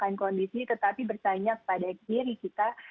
maka yang kondisi tetapi bertanya pada kiri kita